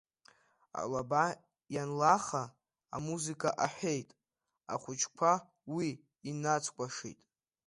Алаба ианлаха, амузыка аҳәеит, ахәыҷқәа уи инацкәашеит.